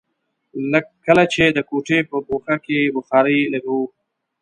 کله چې د کوټې په ګوښه کې بخارۍ لګوو.